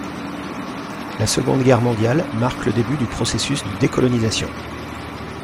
La Seconde Guerre mondiale marque le début du processus de décolonisation.